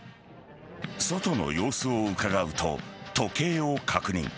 外の様子をうかがうと時計を確認。